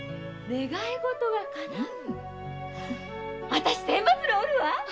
私千羽鶴折るわ！